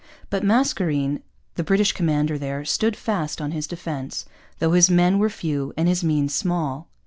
But Mascarene, the British commander there, stood fast on his defence, though his men were few and his means small.